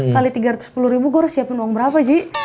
kali tiga ratus sepuluh ribu guar siapin uang berapa ji